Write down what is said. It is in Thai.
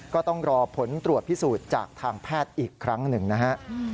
ก็ต้องรอผลตรวจพิสูจน์จากทางแพทย์อีกครั้งหนึ่งนะฮะ